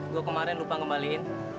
gue kemarin lupa kembalikan